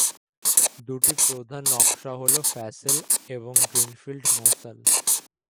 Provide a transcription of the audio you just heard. দুটি প্রধান নকশা হল ফ্যাসেল এবং গ্রীনফিল্ড মশাল।